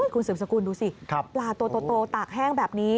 คุณสืบสกุลดูสิปลาตัวโตตากแห้งแบบนี้